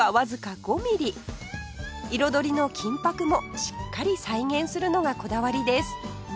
彩りの金箔もしっかり再現するのがこだわりです